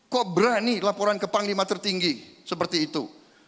kok berani laporan ke panglima tertinggi seperti itu